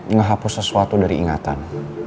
ngehapus sesuatu dari ingatan